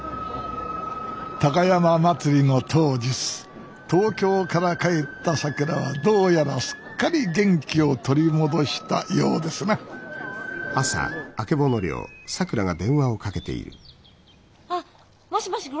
高山祭の当日東京から帰ったさくらはどうやらすっかり元気を取り戻したようですなあっもしもしグランマ？